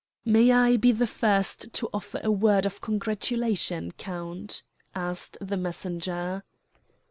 "May I be the first to offer a word of congratulation, count?" asked the messenger.